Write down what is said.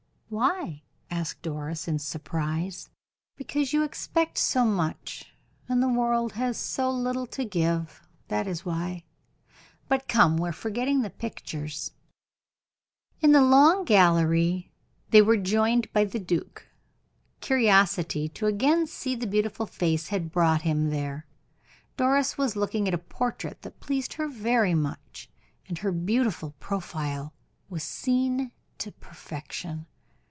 "Why?" asked Doris, in surprise. "Because you expect so much, and the world has so little to give that is why. But come, we are forgetting the pictures." In the long gallery they were joined by the duke: curiosity to again see the beautiful face had brought him there. Doris was looking at a portrait that pleased her very much, and her beautiful profile was seen to perfection.